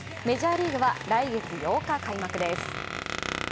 メジャーリーグは来月８日開幕です